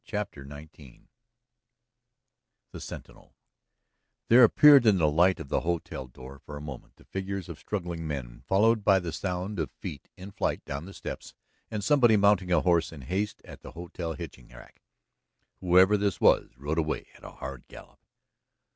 CHAPTER XIX THE SENTINEL There appeared in the light of the hotel door for a moment the figures of struggling men, followed by the sound of feet in flight down the steps, and somebody mounting a horse in haste at the hotel hitching rack. Whoever this was rode away at a hard gallop.